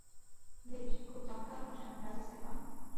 বেশ, খুব জমকালো অনুষ্ঠান, রাজা স্টেফান।